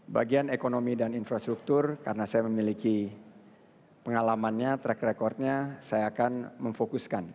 bagian ekonomi dan infrastruktur karena saya memiliki pengalamannya track recordnya saya akan memfokuskan